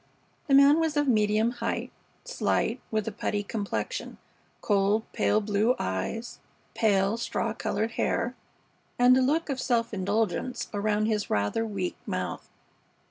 The man was of medium height, slight, with a putty complexion; cold, pale blue eyes; pale, straw colored hair, and a look of self indulgence around his rather weak mouth.